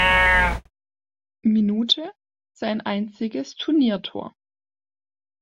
Minute sein einziges Turniertor.